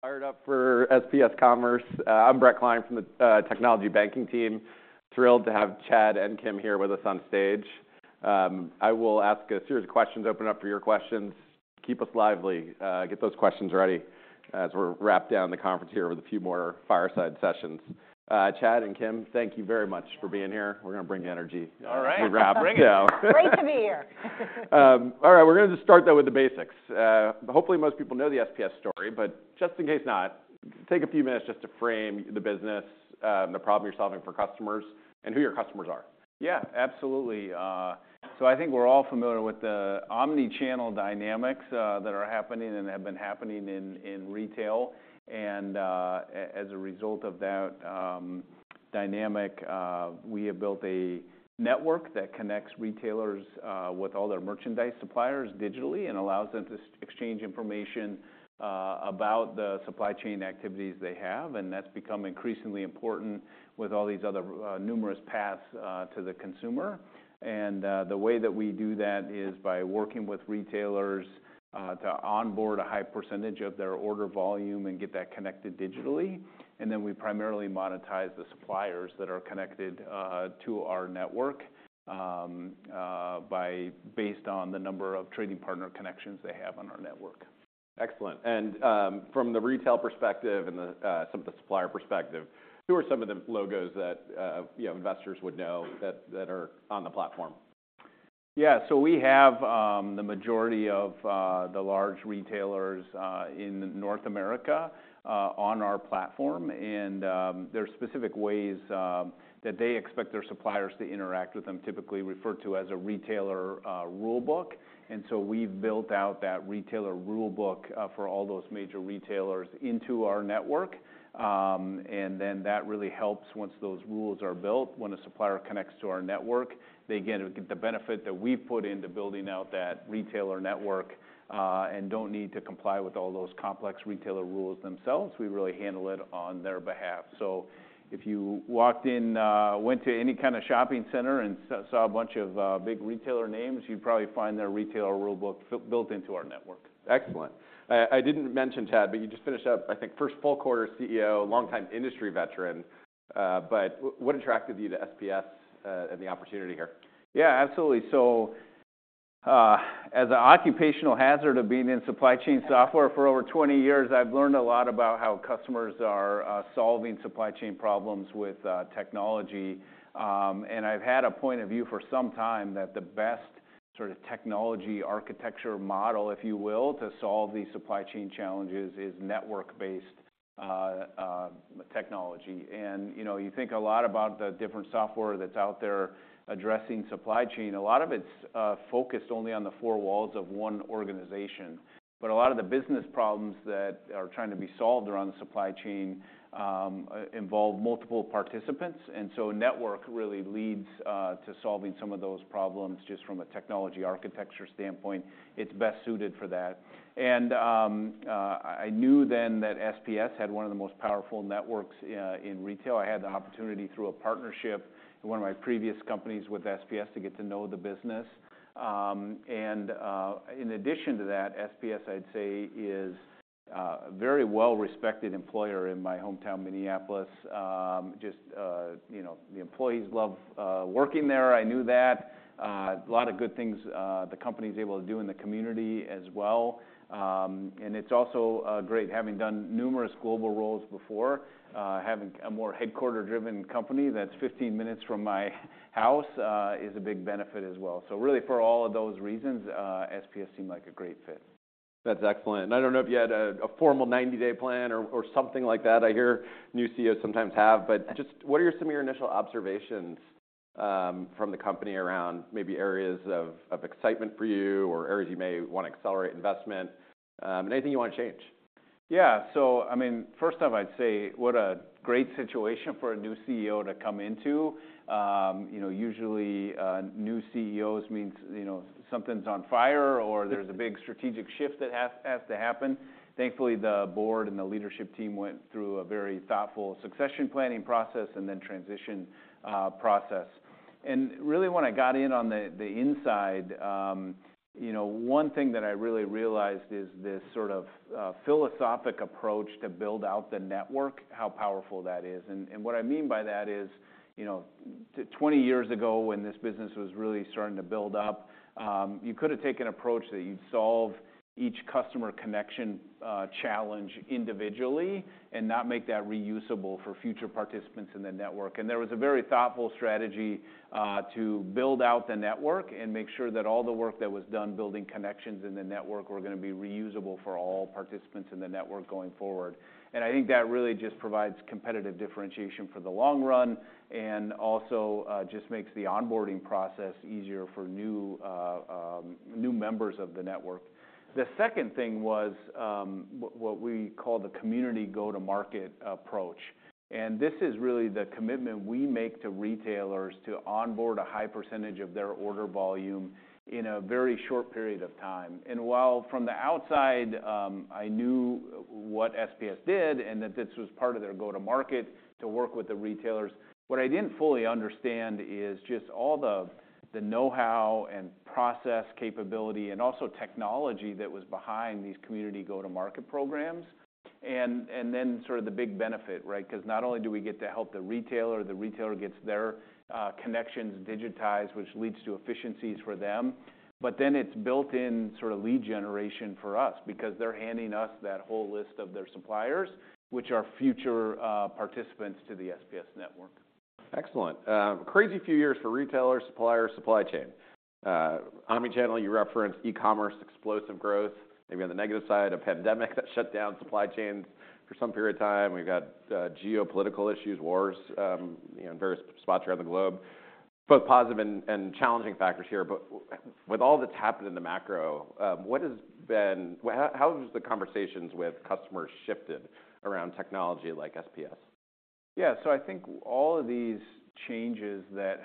Fired up for SPS Commerce. I'm Brett Klein from the technology banking team. Thrilled to have Chad and Kim here with us on stage. I will ask a series of questions, open it up for your questions. Keep us lively, get those questions ready as we're winding down the conference here with a few more fireside sessions. Chad and Kim, thank you very much for being here. We're gonna bring energy. All right. We wrap. Bring it. Great to be here. All right, we're gonna just start, though, with the basics. Hopefully most people know the SPS story, but just in case not, take a few minutes just to frame the business, the problem you're solving for customers, and who your customers are. Yeah, absolutely. I think we're all familiar with the omnichannel dynamics that are happening and have been happening in retail. As a result of that dynamic, we have built a network that connects retailers with all their merchandise suppliers digitally and allows them to exchange information about the supply Chain activities they have. And that's become increasingly important with all these other numerous paths to the consumer. The way that we do that is by working with retailers to onboard a high percentage of their order volume and get that connected digitally. Then we primarily monetize the suppliers that are connected to our network by based on the number of trading partner connections they have on our network. Excellent. From the retail perspective and some of the supplier perspective, who are some of the logos that, you know, investors would know that that are on the platform? Yeah, so we have the majority of the large retailers in North America on our platform. And there are specific ways that they expect their suppliers to interact with them, typically referred to as a retailer rulebook. And so we've built out that retailer rulebook for all those major retailers into our network. And then that really helps once those rules are built. When a supplier connects to our network, they get the benefit that we've put into building out that retailer network, and don't need to comply with all those complex retailer rules themselves. We really handle it on their behalf. So if you walked in, went to any kind of shopping center and saw a bunch of big retailer names, you'd probably find their retailer rulebook built into our network. Excellent. I didn't mention Chad, but you just finished up, I think, first full-quarter CEO, longtime industry veteran. But what attracted you to SPS, and the opportunity here? Yeah, absolutely. So, as an occupational hazard of being in supply chain software for over 20 years, I've learned a lot about how customers are solving supply chain problems with technology. And I've had a point of view for some time that the best sort of technology architecture model, if you will, to solve these supply chain challenges is network-based technology. And you know, you think a lot about the different software that's out there addressing supply chain. A lot of it's focused only on the four walls of one organization. But a lot of the business problems that are trying to be solved around the supply chain involve multiple participants. And so network really leads to solving some of those problems just from a technology architecture standpoint. It's best suited for that. And I knew then that SPS had one of the most powerful networks in retail. I had the opportunity through a partnership in one of my previous companies with SPS to get to know the business. In addition to that, SPS, I'd say, is a very well-respected employer in my hometown, Minneapolis. Just, you know, the employees love working there. I knew that. A lot of good things the company's able to do in the community as well. It's also great, having done numerous global roles before, having a more headquarters-driven company that's 15 minutes from my house, is a big benefit as well. So really, for all of those reasons, SPS seemed like a great fit. That's excellent. And I don't know if you had a formal 90-day plan or something like that. I hear new CEOs sometimes have. But just what are some of your initial observations from the company around maybe areas of excitement for you or areas you may wanna accelerate investment? Anything you wanna change? Yeah, so, I mean, first off, I'd say what a great situation for a new CEO to come into. You know, usually, new CEOs means, you know, something's on fire or there's a big strategic shift that has to happen. Thankfully, the board and the leadership team went through a very thoughtful succession planning process and then transition process. And really, when I got in on the inside, you know, one thing that I really realized is this sort of philosophical approach to build out the network, how powerful that is. And, and what I mean by that is, you know, 20 years ago when this business was really starting to build up, you could have taken an approach that you'd solve each customer connection challenge individually and not make that reusable for future participants in the network. There was a very thoughtful strategy to build out the network and make sure that all the work that was done building connections in the network were gonna be reusable for all participants in the network going forward. I think that really just provides competitive differentiation for the long run and also just makes the onboarding process easier for new members of the network. The second thing was what we call the Community go-to-market approach. This is really the commitment we make to retailers to onboard a high percentage of their order volume in a very short period of time. And while from the outside, I knew what SPS did and that this was part of their go-to-market to work with the retailers, what I didn't fully understand is just all the know-how and process capability and also technology that was behind these community go-to-market programs. And then sort of the big benefit, right? 'Cause not only do we get to help the retailer, the retailer gets their connections digitized, which leads to efficiencies for them, but then it's built-in sort of lead generation for us because they're handing us that whole list of their suppliers, which are future participants to the SPS network. Excellent. Crazy few years for retailers, suppliers, supply chain. Omnichannel, you referenced e-commerce explosive growth. Maybe on the negative side, a pandemic that shut down supply chains for some period of time. We've got geopolitical issues, wars, you know, in various spots around the globe. Both positive and challenging factors here. But with all that's happened in the macro, what has been, how have the conversations with customers shifted around technology like SPS? Yeah, so I think all of these changes that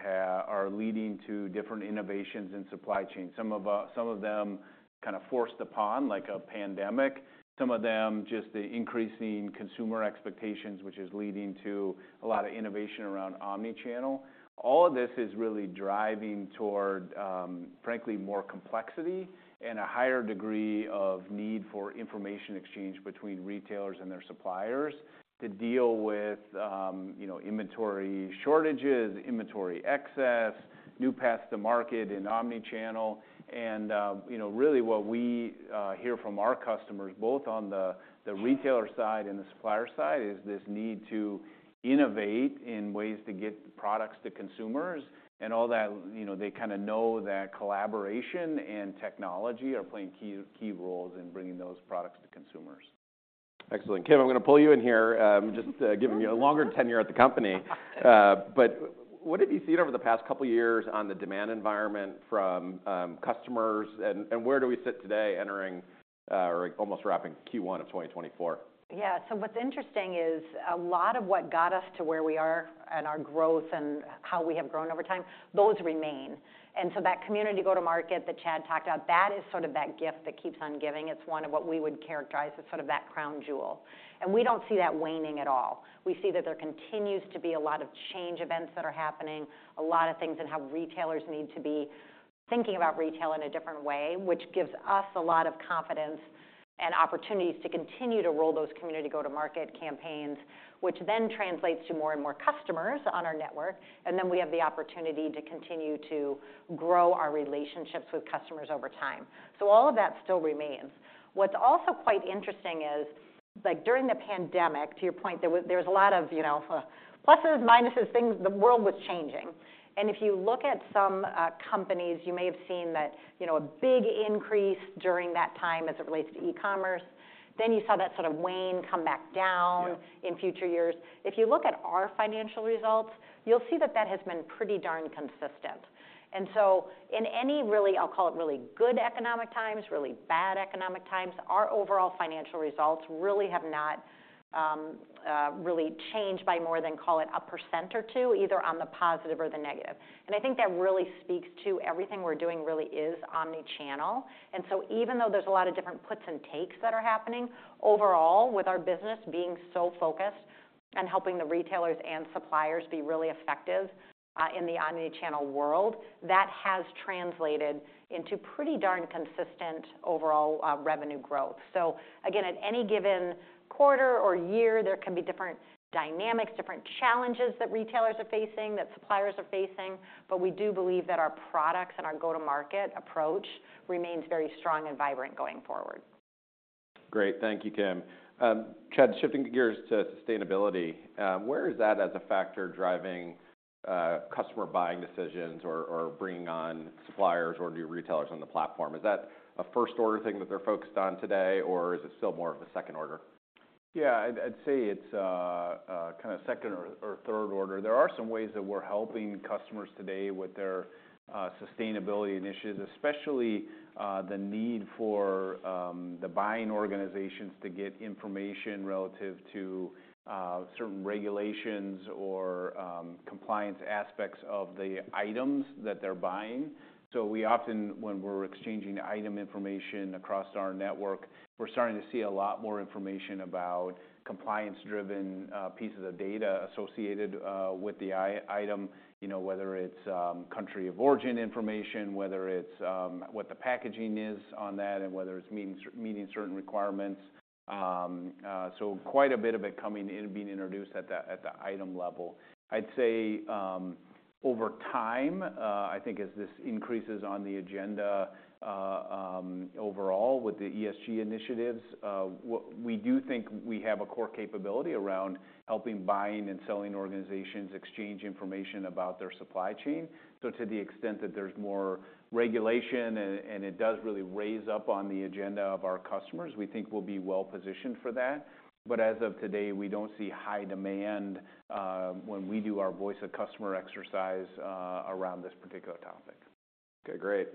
are leading to different innovations in supply chain. Some of them kinda forced upon, like a pandemic. Some of them just the increasing consumer expectations, which is leading to a lot of innovation around omnichannel. All of this is really driving toward, frankly, more complexity and a higher degree of need for information exchange between retailers and their suppliers to deal with, you know, inventory shortages, inventory excess, new paths to market in omnichannel. And, you know, really what we hear from our customers, both on the retailer side and the supplier side, is this need to innovate in ways to get products to consumers. And all that, you know, they kinda know that collaboration and technology are playing key, key roles in bringing those products to consumers. Excellent. Kim, I'm gonna pull you in here, just, giving you a longer tenure at the company. But what have you seen over the past couple of years on the demand environment from customers? And where do we sit today entering, or almost wrapping Q1 of 2024? Yeah, so what's interesting is a lot of what got us to where we are and our growth and how we have grown over time, those remain. And so that Community go-to-market that Chad talked about, that is sort of that gift that keeps on giving. It's one of what we would characterize as sort of that crown jewel. And we don't see that waning at all. We see that there continues to be a lot of change events that are happening, a lot of things in how retailers need to be thinking about retail in a different way, which gives us a lot of confidence and opportunities to continue to roll those Community go-to-market campaigns, which then translates to more and more customers on our network. And then we have the opportunity to continue to grow our relationships with customers over time. So all of that still remains. What's also quite interesting is, like, during the pandemic, to your point, there was a lot of, you know, pluses, minuses, things. The world was changing. If you look at some companies, you may have seen that, you know, a big increase during that time as it relates to e-commerce. Then you saw that sort of wane come back down in future years. If you look at our financial results, you'll see that that has been pretty darn consistent. And so in any really, I'll call it, really good economic times, really bad economic times, our overall financial results really have not really changed by more than, call it, 1% or 2%, either on the positive or the negative. And I think that really speaks to everything we're doing really is omnichannel. And so even though there's a lot of different puts and takes that are happening, overall, with our business being so focused on helping the retailers and suppliers be really effective, in the omnichannel world, that has translated into pretty darn consistent overall, revenue growth. So again, at any given quarter or year, there can be different dynamics, different challenges that retailers are facing, that suppliers are facing. But we do believe that our products and our go-to-market approach remains very strong and vibrant going forward. Great. Thank you, Kim. Chad, shifting gears to sustainability, where is that as a factor driving customer buying decisions or, or bringing on suppliers or new retailers on the platform? Is that a first-order thing that they're focused on today, or is it still more of a second order? Yeah, I'd say it's kinda second or third order. There are some ways that we're helping customers today with their sustainability initiatives, especially the need for the buying organizations to get information relative to certain regulations or compliance aspects of the items that they're buying. So we often, when we're exchanging item information across our network, we're starting to see a lot more information about compliance-driven pieces of data associated with the item, you know, whether it's country of origin information, whether it's what the packaging is on that, and whether it's meeting certain requirements. So quite a bit of it coming in being introduced at the item level. I'd say, over time, I think as this increases on the agenda, overall with the ESG initiatives, we do think we have a core capability around helping buying and selling organizations exchange information about their supply chain. So to the extent that there's more regulation and it does really raise up on the agenda of our customers, we think we'll be well-positioned for that. But as of today, we don't see high demand, when we do our voice of customer exercise, around this particular topic. Okay, great.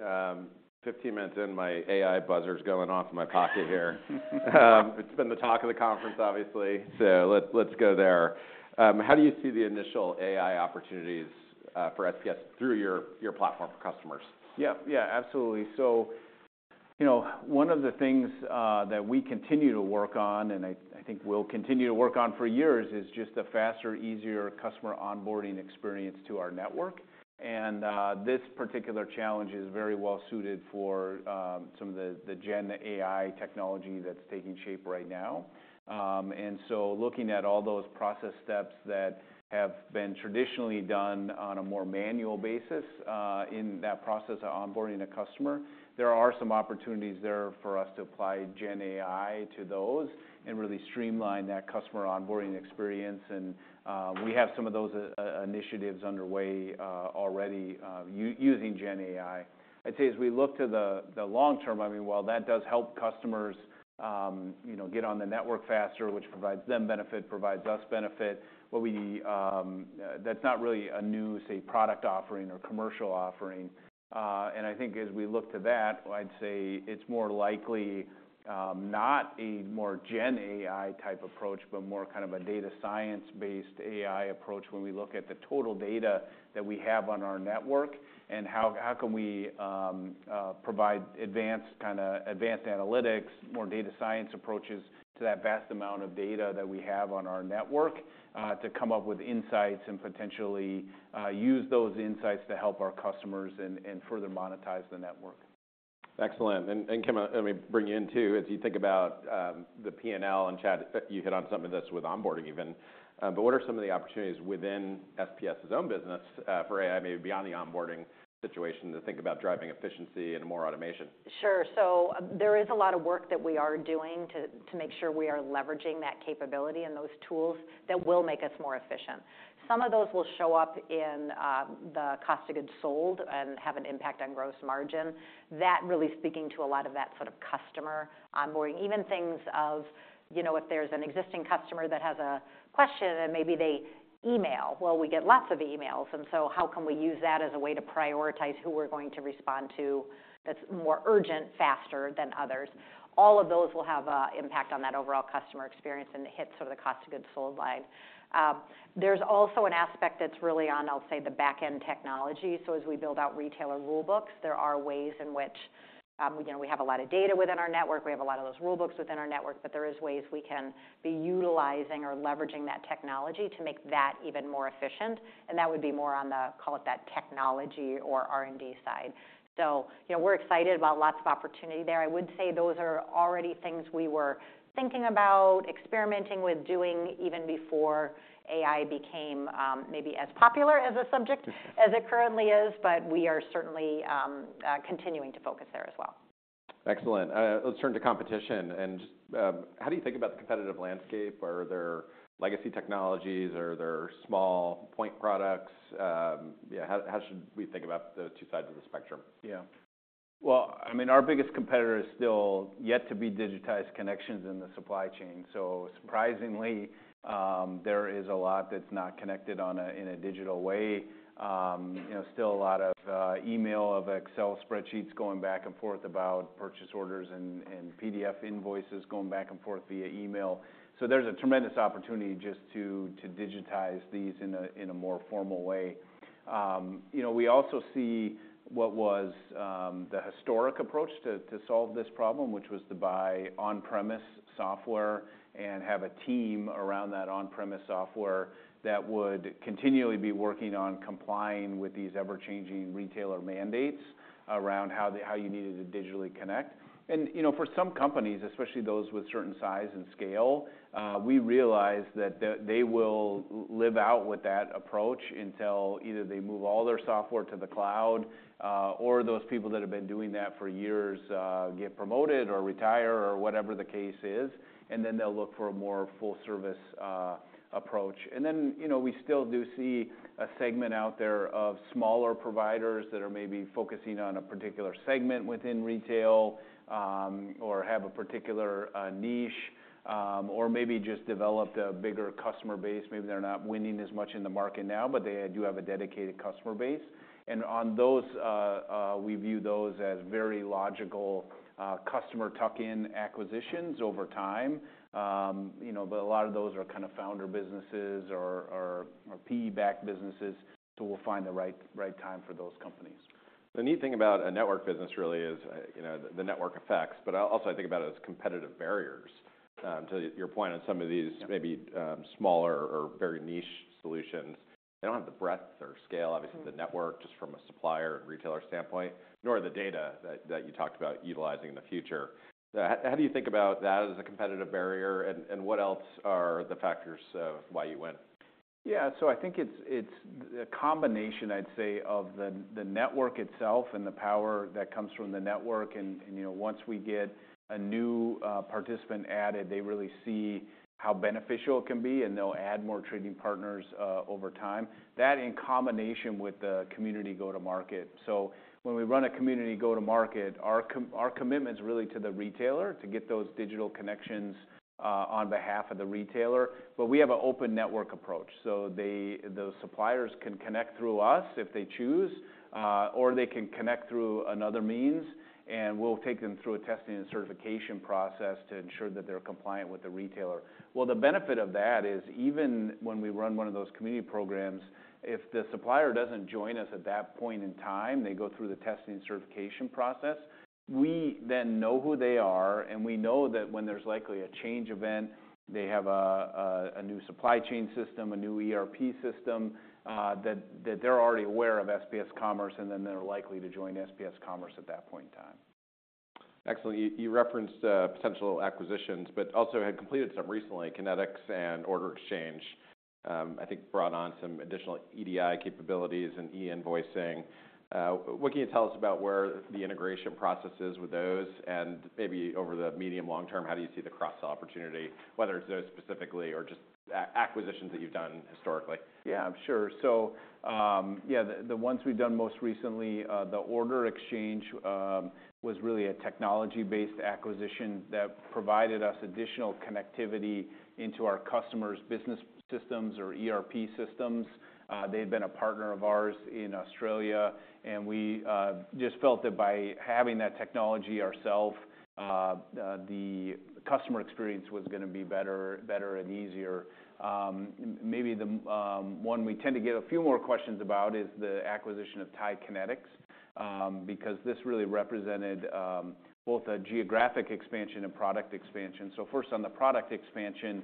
15 minutes in, my AI buzzer's going off in my pocket here. It's been the talk of the conference, obviously, so let's, let's go there. How do you see the initial AI opportunities for SPS through your, your platform for customers? Yep, yeah, absolutely. So, you know, one of the things that we continue to work on and I think we'll continue to work on for years is just a faster, easier customer onboarding experience to our network. And this particular challenge is very well-suited for some of the Gen AI technology that's taking shape right now. And so looking at all those process steps that have been traditionally done on a more manual basis, in that process of onboarding a customer, there are some opportunities there for us to apply Gen AI to those and really streamline that customer onboarding experience. And we have some of those initiatives underway, already, using Gen AI. I'd say as we look to the long term, I mean, while that does help customers, you know, get on the network faster, which provides them benefit, provides us benefit, that's not really a new, say, product offering or commercial offering. I think as we look to that, I'd say it's more likely, not a more Gen AI type approach but more kind of a data science-based AI approach when we look at the total data that we have on our network and how can we provide advanced kind of advanced analytics, more data science approaches to that vast amount of data that we have on our network, to come up with insights and potentially use those insights to help our customers and further monetize the network. Excellent. And, and Kim, let me bring you in too. As you think about the P&L and Chad, you hit on something that's with onboarding even. But what are some of the opportunities within SPS's own business for AI, maybe beyond the onboarding situation, to think about driving efficiency and more automation? Sure. So, there is a lot of work that we are doing to make sure we are leveraging that capability and those tools that will make us more efficient. Some of those will show up in the cost of goods sold and have an impact on gross margin. That really speaking to a lot of that sort of customer onboarding, even things of, you know, if there's an existing customer that has a question and maybe they email. Well, we get lots of emails. And so how can we use that as a way to prioritize who we're going to respond to that's more urgent, faster than others? All of those will have an impact on that overall customer experience, and it hits sort of the cost of goods sold line. There's also an aspect that's really on, I'll say, the back-end technology. So as we build out retailer rulebooks, there are ways in which, you know, we have a lot of data within our network. We have a lot of those rulebooks within our network. But there is ways we can be utilizing or leveraging that technology to make that even more efficient. And that would be more on the, call it that, technology or R&D side. So, you know, we're excited about lots of opportunity there. I would say those are already things we were thinking about, experimenting with doing even before AI became, maybe as popular as a subject as it currently is. But we are certainly, continuing to focus there as well. Excellent. Let's turn to competition and just, how do you think about the competitive landscape? Are there legacy technologies? Are there small point products? Yeah, how should we think about those two sides of the spectrum? Yeah. Well, I mean, our biggest competitor is still yet to be digitized connections in the supply chain. So surprisingly, there is a lot that's not connected in a digital way. You know, still a lot of email, of Excel spreadsheets going back and forth about purchase orders and PDF invoices going back and forth via email. So there's a tremendous opportunity just to digitize these in a more formal way. You know, we also see what was the historic approach to solve this problem, which was to buy on-premise software and have a team around that on-premise software that would continually be working on complying with these ever-changing retailer mandates around how you needed to digitally connect. And, you know, for some companies, especially those with certain size and scale, we realize that they will live out with that approach until either they move all their software to the cloud, or those people that have been doing that for years get promoted or retire or whatever the case is. And then, you know, we still do see a segment out there of smaller providers that are maybe focusing on a particular segment within retail, or have a particular niche, or maybe just developed a bigger customer base. Maybe they're not winning as much in the market now, but they do have a dedicated customer base. And on those, we view those as very logical customer tuck-in acquisitions over time. You know, but a lot of those are kinda founder businesses or PE-backed businesses. We'll find the right time for those companies. The neat thing about a network business really is, you know, the network effects. But I'll also think about it as competitive barriers, to your point on some of these maybe, smaller or very niche solutions. They don't have the breadth or scale, obviously, of the network just from a supplier and retailer standpoint, nor the data that you talked about utilizing in the future. How do you think about that as a competitive barrier? And what else are the factors of why you win? Yeah, so I think it's, it's the combination, I'd say, of the, the network itself and the power that comes from the network. And, and, you know, once we get a new participant added, they really see how beneficial it can be, and they'll add more trading partners over time. That in combination with the Community go-to-market. So when we run a Community go-to-market, our commitment's really to the retailer to get those digital connections on behalf of the retailer. But we have an open network approach. So those suppliers can connect through us if they choose, or they can connect through another means. And we'll take them through a testing and certification process to ensure that they're compliant with the retailer. Well, the benefit of that is even when we run one of those community programs, if the supplier doesn't join us at that point in time, they go through the testing and certification process, we then know who they are. We know that when there's likely a change event, they have a new supply chain system, a new ERP system, that they're already aware of SPS Commerce, and then they're likely to join SPS Commerce at that point in time. Excellent. You referenced potential acquisitions but also had completed some recently, Kinetix and The Order Exchange, I think brought on some additional EDI capabilities and e-invoicing. What can you tell us about where the integration process is with those? And maybe over the medium/long term, how do you see the cross-sell opportunity, whether it's those specifically or just acquisitions that you've done historically? Yeah, sure. So, yeah, the ones we've done most recently, The Order Exchange, was really a technology-based acquisition that provided us additional connectivity into our customers' business systems or ERP systems. They'd been a partner of ours in Australia. And we just felt that by having that technology ourselves, the customer experience was gonna be better, better, and easier. Maybe the one we tend to get a few more questions about is the acquisition of TIE Kinetix, because this really represented both a geographic expansion and product expansion. So first, on the product expansion,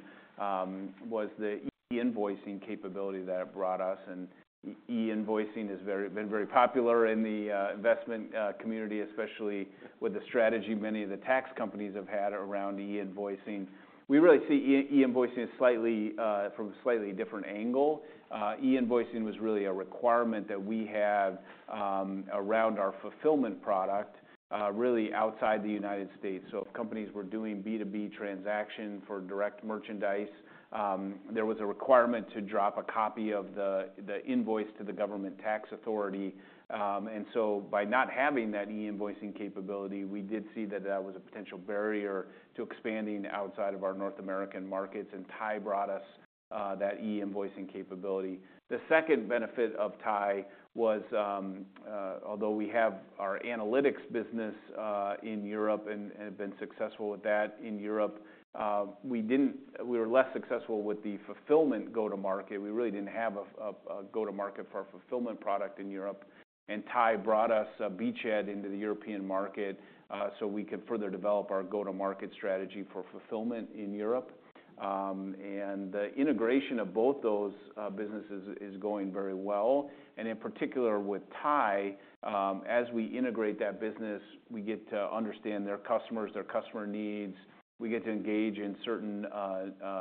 was the e-invoicing capability that it brought us. And e-invoicing has been very popular in the investment community, especially with the strategy many of the tax companies have had around e-invoicing. We really see e-invoicing as slightly, from a slightly different angle. E-invoicing was really a requirement that we have around our fulfillment product, really outside the United States. So if companies were doing B2B transaction for direct merchandise, there was a requirement to drop a copy of the invoice to the government tax authority. So by not having that e-invoicing capability, we did see that that was a potential barrier to expanding outside of our North American markets. And TIE brought us that e-invoicing capability. The second benefit of TIE was, although we have our analytics business in Europe and have been successful with that in Europe, we were less successful with the fulfillment go-to-market. We really didn't have a go-to-market for our fulfillment product in Europe. And TIE brought us a beachhead into the European market, so we could further develop our go-to-market strategy for fulfillment in Europe. and the integration of both those businesses is going very well. And in particular with TIE, as we integrate that business, we get to understand their customers, their customer needs. We get to engage in certain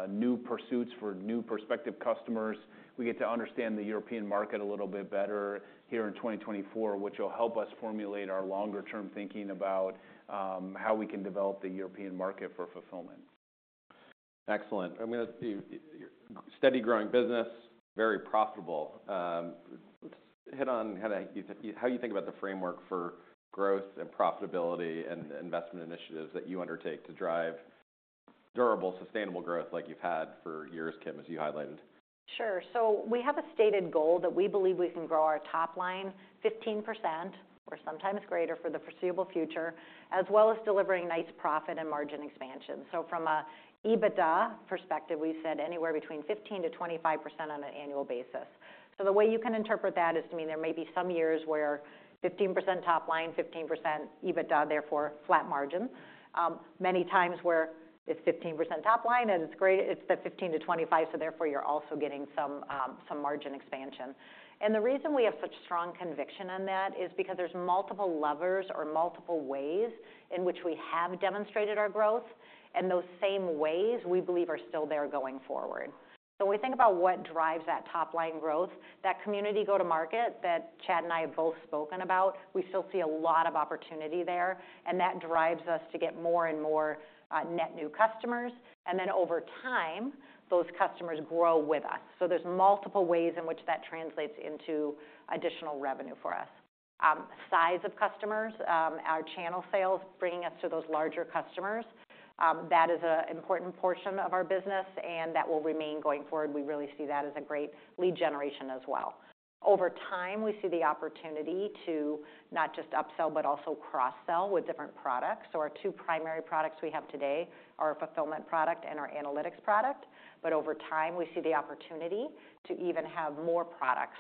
new pursuits for new prospective customers. We get to understand the European market a little bit better here in 2024, which will help us formulate our longer-term thinking about how we can develop the European market for fulfillment. Excellent. I mean, it's your steady-growing business, very profitable. Let's hit on how you think about the framework for growth and profitability and investment initiatives that you undertake to drive durable, sustainable growth like you've had for years, Kim, as you highlighted. Sure. So we have a stated goal that we believe we can grow our top line 15% or sometimes greater for the foreseeable future, as well as delivering nice profit and margin expansion. So from an EBITDA perspective, we've said anywhere between 15%-25% on an annual basis. So the way you can interpret that is to mean there may be some years where 15% top line, 15% EBITDA, therefore, flat margin. Many times where it's 15% top line, and it's great it's the 15%-25%, so therefore you're also getting some, some margin expansion. And the reason we have such strong conviction on that is because there's multiple levers or multiple ways in which we have demonstrated our growth. And those same ways, we believe, are still there going forward. So when we think about what drives that top line growth, that Community go-to-market that Chad and I have both spoken about, we still see a lot of opportunity there. And that drives us to get more and more net new customers. And then over time, those customers grow with us. So there's multiple ways in which that translates into additional revenue for us. Size of customers, our channel sales, bringing us to those larger customers, that is an important portion of our business. And that will remain going forward. We really see that as a great lead generation as well. Over time, we see the opportunity to not just upsell but also cross-sell with different products. So our two primary products we have today are our Fulfillment product and our Analytics product. But over time, we see the opportunity to even have more products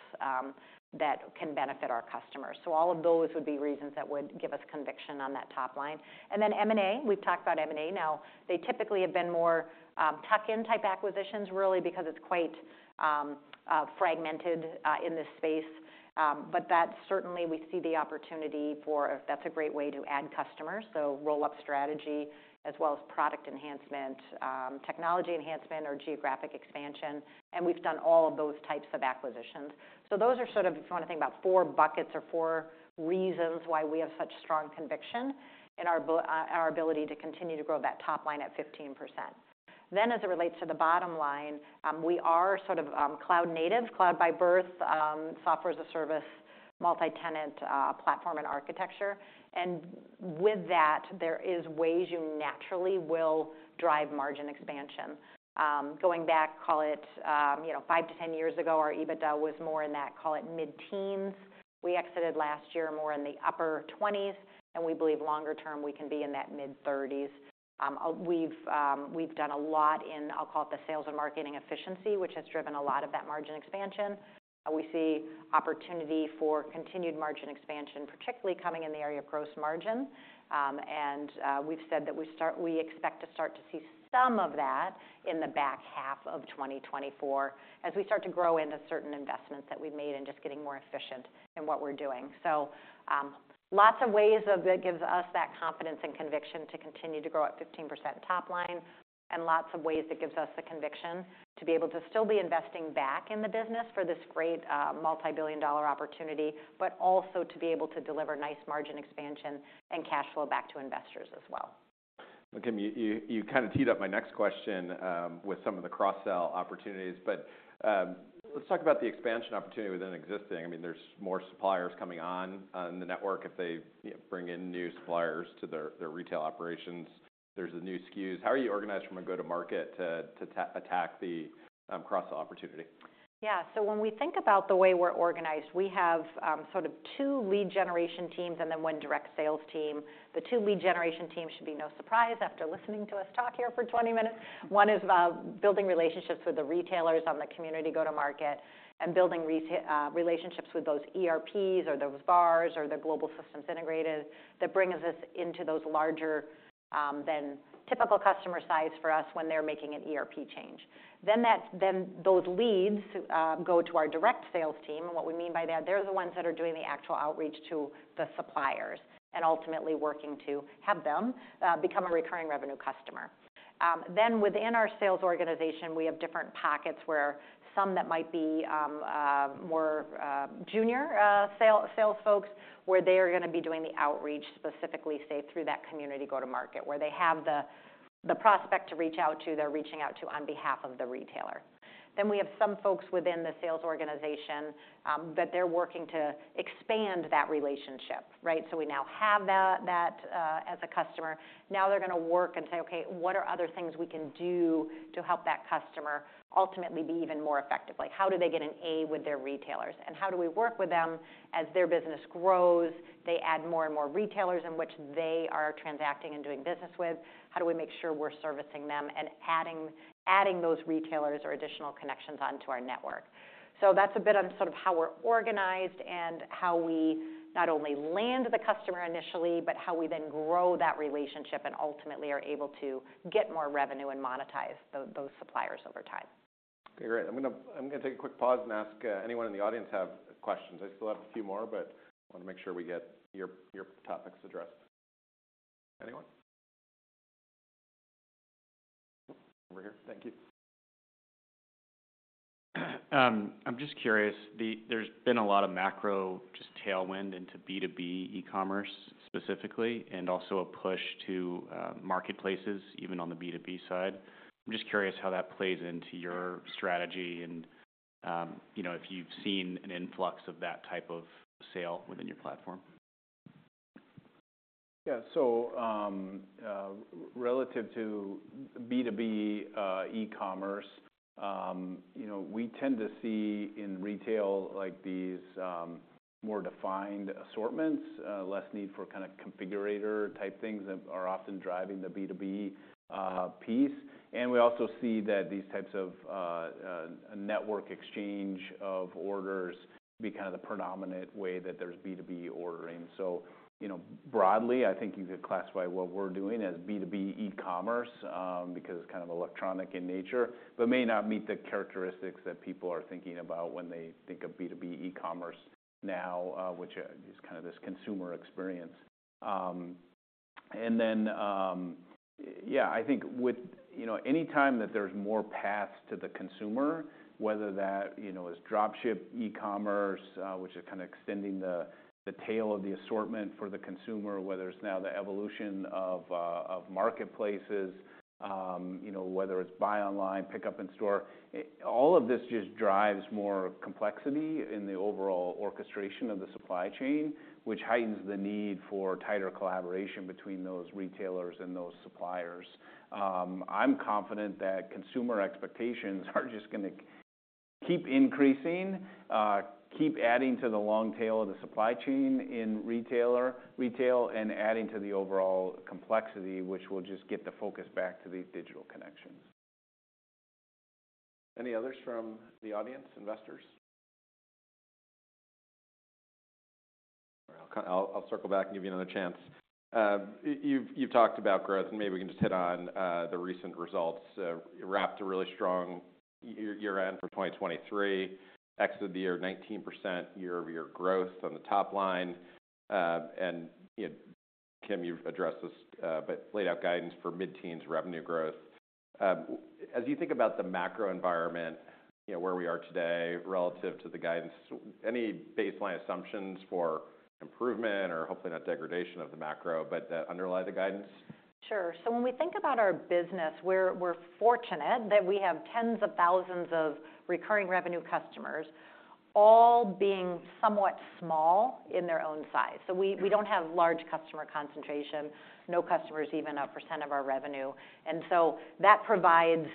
that can benefit our customers. So all of those would be reasons that would give us conviction on that top line. And then M&A. We've talked about M&A now. They typically have been more tuck-in type acquisitions really because it's quite fragmented in this space. But that certainly we see the opportunity for if that's a great way to add customers. So roll-up strategy as well as product enhancement, technology enhancement or geographic expansion. And we've done all of those types of acquisitions. So those are sort of if you wanna think about four buckets or four reasons why we have such strong conviction in our business, in our ability to continue to grow that top line at 15%. Then as it relates to the bottom line, we are sort of cloud-native, cloud-by-birth, software as a service, multi-tenant platform and architecture. And with that, there is ways you naturally will drive margin expansion. Going back, call it, you know, 5-10 years ago, our EBITDA was more in that, call it, mid-teens. We exited last year more in the upper 20s. We believe longer term, we can be in that mid-30s. We've done a lot in, I'll call it, the sales and marketing efficiency, which has driven a lot of that margin expansion. We see opportunity for continued margin expansion, particularly coming in the area of gross margin. We've said that we expect to start to see some of that in the back half of 2024 as we start to grow into certain investments that we've made and just getting more efficient in what we're doing. So, lots of ways of that gives us that confidence and conviction to continue to grow at 15% top line and lots of ways that gives us the conviction to be able to still be investing back in the business for this great, multi-billion dollar opportunity but also to be able to deliver nice margin expansion and cash flow back to investors as well. Well, Kim, you kinda teed up my next question with some of the cross-sell opportunities. But let's talk about the expansion opportunity within existing. I mean, there's more suppliers coming on the network if they, you know, bring in new suppliers to their retail operations. There's the new SKUs. How are you organized from a go-to-market to attack the cross-sell opportunity? Yeah, so when we think about the way we're organized, we have, sort of, two lead generation teams and then one direct sales team. The two lead generation teams should be no surprise after listening to us talk here for 20 minutes. One is, building relationships with the retailers on the Community go-to-market and building relationships with those ERPs or those VARs or the GSIs that brings us into those larger than typical customer size for us when they're making an ERP change. Then those leads go to our direct sales team. And what we mean by that, they're the ones that are doing the actual outreach to the suppliers and ultimately working to have them become a recurring revenue customer. Then within our sales organization, we have different pockets where some that might be more junior sales folks where they are gonna be doing the outreach specifically, say, through that Community go-to-market where they have the prospect to reach out to they're reaching out to on behalf of the retailer. Then we have some folks within the sales organization that they're working to expand that relationship, right? So we now have that as a customer. Now they're gonna work and say, "Okay, what are other things we can do to help that customer ultimately be even more effective? Like, how do they get an A with their retailers? And how do we work with them as their business grows? They add more and more retailers in which they are transacting and doing business with. How do we make sure we're servicing them and adding those retailers or additional connections onto our network?" So that's a bit on sort of how we're organized and how we not only land the customer initially but how we then grow that relationship and ultimately are able to get more revenue and monetize those suppliers over time. Okay, great. I'm gonna take a quick pause and ask, anyone in the audience have questions? I still have a few more, but wanna make sure we get your topics addressed. Anyone? Over here. Thank you. I'm just curious. There's been a lot of macro tailwinds into B2B e-commerce specifically and also a push to marketplaces even on the B2B side. I'm just curious how that plays into your strategy and, you know, if you've seen an influx of that type of sale within your platform. Yeah, so, relative to B2B e-commerce, you know, we tend to see in retail like these more defined assortments, less need for kinda configurator type things that are often driving the B2B piece. And we also see that these types of a network exchange of orders be kinda the predominant way that there's B2B ordering. So, you know, broadly, I think you could classify what we're doing as B2B e-commerce, because it's kind of electronic in nature but may not meet the characteristics that people are thinking about when they think of B2B e-commerce now, which is kinda this consumer experience. Yeah, I think with you know, anytime that there's more paths to the consumer, whether that, you know, is dropship e-commerce, which is kinda extending the tail of the assortment for the consumer, whether it's now the evolution of marketplaces, you know, whether it's buy online, pick up in store, in all of this just drives more complexity in the overall orchestration of the supply chain, which heightens the need for tighter collaboration between those retailers and those suppliers. I'm confident that consumer expectations are just gonna keep increasing, keep adding to the long tail of the supply chain in retailer retail and adding to the overall complexity, which will just get the focus back to these digital connections. Any others from the audience, investors? All right. I'll circle back and give you another chance. You've talked about growth, and maybe we can just hit on the recent results. Wrapped a really strong year-end for 2023, exited the year 19% year-over-year growth on the top line. And, you know, Kim, you've addressed this, but laid out guidance for mid-teens revenue growth. As you think about the macro environment, you know, where we are today relative to the guidance, any baseline assumptions for improvement or hopefully not degradation of the macro but that underlie the guidance? Sure. So when we think about our business, we're fortunate that we have tens of thousands of recurring revenue customers all being somewhat small in their own size. So we don't have large customer concentration, no customers even 1% of our revenue. And so that provides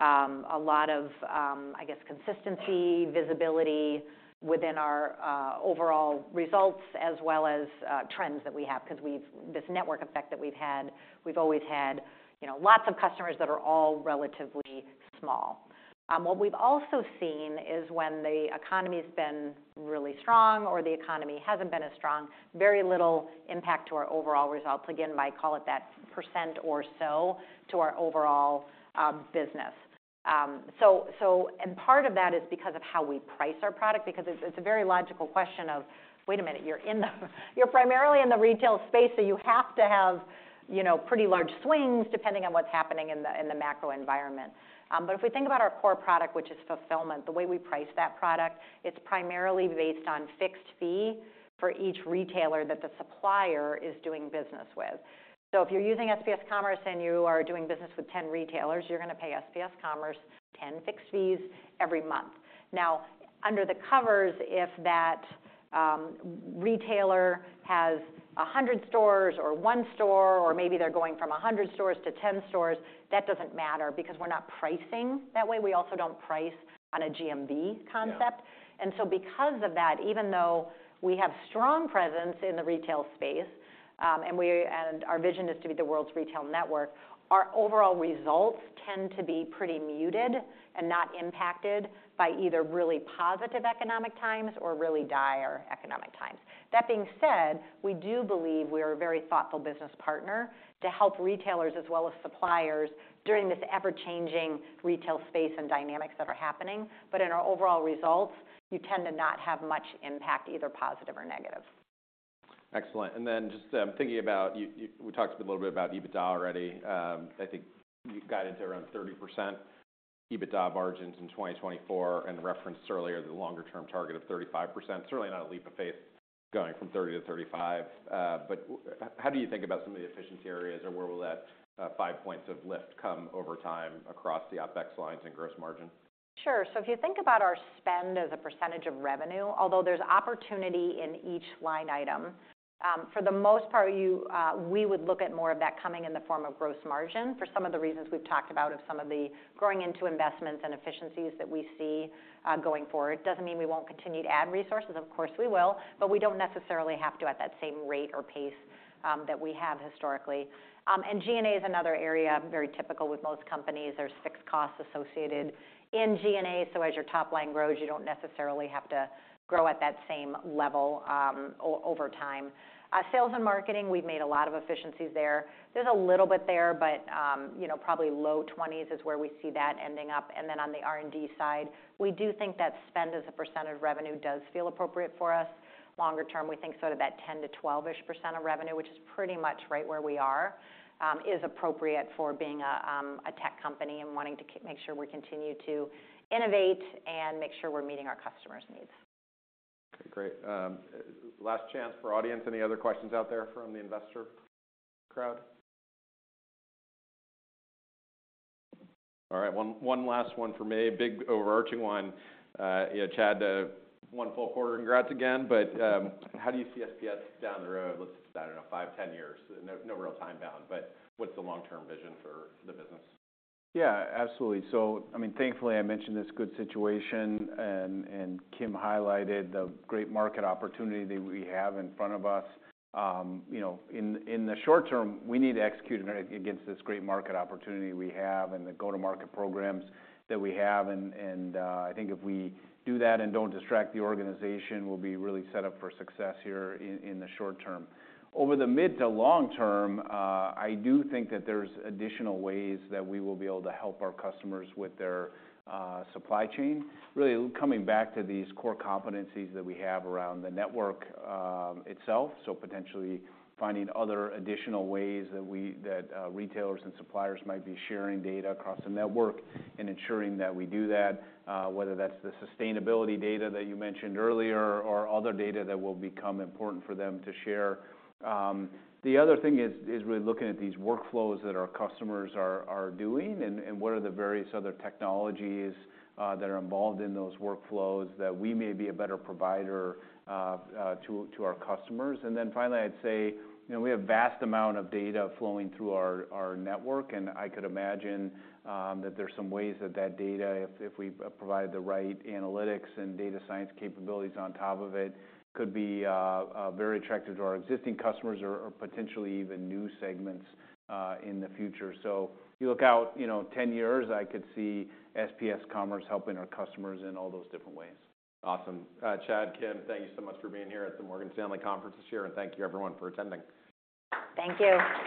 a lot of, I guess, consistency, visibility within our overall results as well as trends that we have 'cause we've this network effect that we've always had, you know, lots of customers that are all relatively small. What we've also seen is when the economy's been really strong or the economy hasn't been as strong, very little impact to our overall results. Again, might call it 1% or so to our overall business. So and part of that is because of how we price our product because it's a very logical question of, "Wait a minute. You're primarily in the retail space, so you have to have, you know, pretty large swings depending on what's happening in the macro environment. But if we think about our core product, which is fulfillment, the way we price that product, it's primarily based on fixed fee for each retailer that the supplier is doing business with. So if you're using SPS Commerce and you are doing business with 10 retailers, you're gonna pay SPS Commerce 10 fixed fees every month. Now, under the covers, if that retailer has 100 stores or one store or maybe they're going from 100 stores to 10 stores, that doesn't matter because we're not pricing that way. We also don't price on a GMV concept. And so because of that, even though we have strong presence in the retail space, and we and our vision is to be the world's retail network, our overall results tend to be pretty muted and not impacted by either really positive economic times or really dire economic times. That being said, we do believe we are a very thoughtful business partner to help retailers as well as suppliers during this ever-changing retail space and dynamics that are happening. But in our overall results, you tend to not have much impact either positive or negative. Excellent. And then just, thinking about, we talked a little bit about EBITDA already. I think you got into around 30% EBITDA margins in 2024 and referenced earlier the longer-term target of 35%. Certainly not a leap of faith going from 30 to 35, but how do you think about some of the efficiency areas or where will that, five points of lift come over time across the OpEx lines and gross margin? Sure. So if you think about our spend as a percentage of revenue, although there's opportunity in each line item, for the most part, we would look at more of that coming in the form of gross margin for some of the reasons we've talked about of some of the growing into investments and efficiencies that we see, going forward. It doesn't mean we won't continue to add resources. Of course, we will. But we don't necessarily have to at that same rate or pace that we have historically. G&A is another area very typical with most companies. There's fixed costs associated in G&A. As your top line grows, you don't necessarily have to grow at that same level, over time. Sales and marketing, we've made a lot of efficiencies there. There's a little bit there, but, you know, probably low 20s is where we see that ending up. And then on the R&D side, we do think that spend as a % of revenue does feel appropriate for us. Longer term, we think sort of that 10%-12%-ish % of revenue, which is pretty much right where we are, is appropriate for being a tech company and wanting to make sure we continue to innovate and make sure we're meeting our customers' needs. Okay, great. Last chance for audience. Any other questions out there from the investor crowd? All right. One, one last one from me, big overarching one. You know, Chad, one full quarter. Congrats again. But, how do you see SPS down the road? Let's say, I don't know, 5, 10 years, no, no real time-bound. But what's the long-term vision for the business? Yeah, absolutely. So, I mean, thankfully, I mentioned this good situation, and Kim highlighted the great market opportunity that we have in front of us. You know, in the short term, we need to execute greatly against this great market opportunity we have and the go-to-market programs that we have. And I think if we do that and don't distract the organization, we'll be really set up for success here in the short term. Over the mid- to long-term, I do think that there's additional ways that we will be able to help our customers with their supply chain. Really coming back to these core competencies that we have around the network itself, so potentially finding other additional ways that retailers and suppliers might be sharing data across the network and ensuring that we do that, whether that's the sustainability data that you mentioned earlier or other data that will become important for them to share. The other thing is really looking at these workflows that our customers are doing and what are the various other technologies that are involved in those workflows that we may be a better provider to our customers. And then finally, I'd say, you know, we have a vast amount of data flowing through our network. I could imagine that there's some ways that that data if we provide the right analytics and data science capabilities on top of it could be very attractive to our existing customers or potentially even new segments in the future. You look out, you know, 10 years. I could see SPS Commerce helping our customers in all those different ways. Awesome. Chad, Kim, thank you so much for being here at the Morgan Stanley Conference this year, and thank you, everyone, for attending. Thank you.